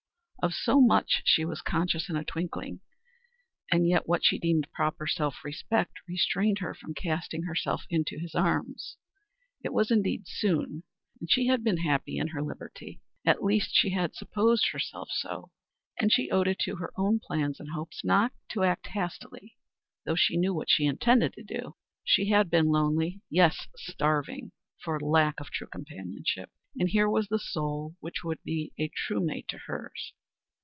Of so much she was conscious in a twinkling, and yet what she deemed proper self respect restrained her from casting herself into his arms. It was, indeed, soon, and she had been happy in her liberty. At least, she had supposed herself so; and she owed it to her own plans and hopes not to act hastily, though she knew what she intended to do. She had been lonely, yes starving, for lack of true companionship, and here was the soul which would be a true mate to hers.